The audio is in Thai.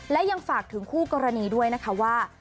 และยังฝากถึงคู่กรณีด้วยนะคะว่า